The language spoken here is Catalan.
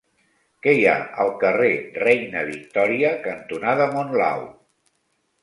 Què hi ha al carrer Reina Victòria cantonada Monlau?